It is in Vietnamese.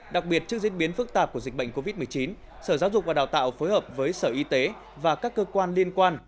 đặc biệt trước diễn biến phức tạp của dịch bệnh covid một mươi chín sở giáo dục và đào tạo phối hợp với sở y tế và các cơ quan liên quan